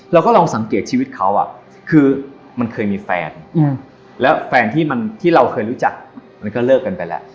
เราก็ลองสังเกตชีวิตเขาคือมันเคยมีแฟนแล้วแฟนที่เราเคยรู้จักมันก็เลิกกันไปแล้ว